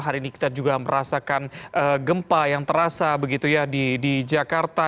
hari ini kita juga merasakan gempa yang terasa begitu ya di jakarta